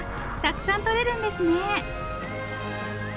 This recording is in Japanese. たくさん取れるんですね。